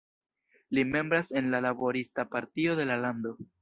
Li membras en la "Laborista Partio" de la lando.